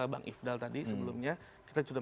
bang ifdal tadi sebelumnya kita sudah